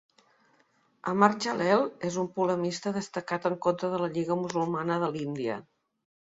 Amar Jaleel és un polemista destacat en contra de la Lliga Musulmana de l'Índia.